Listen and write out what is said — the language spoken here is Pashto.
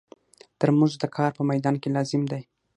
ترموز د کار په مېدان کې لازم دی.